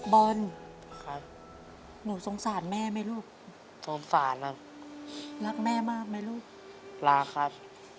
บอลหนูสงสารแม่ไหมลูกรักแม่มากไหมลูกลาครับ